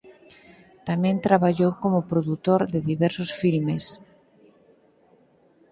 Tamén traballou como produtor de diversos filmes.